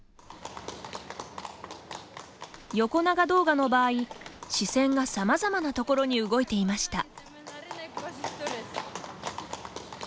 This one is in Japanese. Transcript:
横長動画の場合、視線がさまざまな所に動いていました。